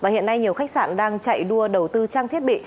hiện nay nhiều khách sạn đang chạy đua đầu tư trang thiết bị